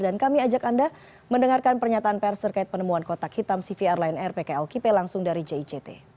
dan kami ajak anda mendengarkan pernyataan pers terkait penemuan kotak hitam cvr line air pkl kipe langsung dari jict